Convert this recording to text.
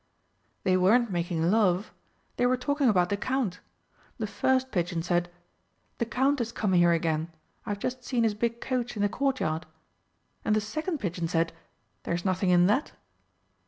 "They weren't making love. They were talking about the Count. The first pigeon said, 'The Count has come here again. I have just seen his big coach in the courtyard,' and the second pigeon said, 'There is nothing in that.'"